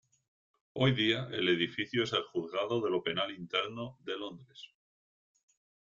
Hoy día, el edificio es el Juzgado de lo Penal Interno de Londres.